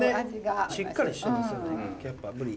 しっかりしてますよねぶり。